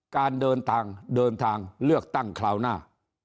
การเดินทางเรือกตั้งคลาวหน้า